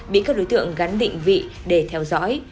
bị các đối tượng gắn định vị để theo dõi